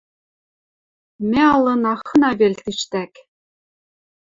Мӓ ылына хына вел тиштӓк.